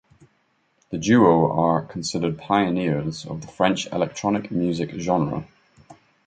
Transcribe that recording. The duo are considered pioneers of the French electronic music genre.